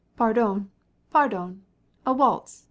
"Pardon! pardon! Waltz!